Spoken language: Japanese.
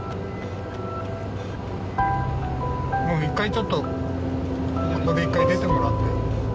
一回ちょっとここで一回出てもらって。